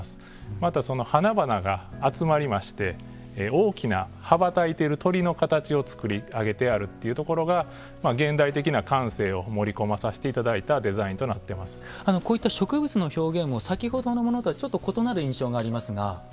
また、その花々が集まりまして大きな羽ばたいている鳥の形をつくり上げているというところが現代的な感性を盛り込まさせていただいたこういった植物の表現を先ほどのものとは異なる印象がありますが。